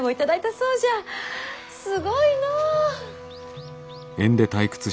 すごいのう。